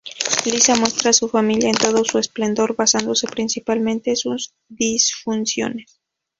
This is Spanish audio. Lisa muestra a su familia en todo su esplendor, basándose principalmente en sus disfunciones.